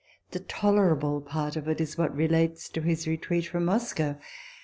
The tolerable part of it is what relates to his retreat from Moscow.